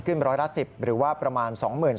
ขึ้นร้อยละ๑๐หรือว่าประมาณ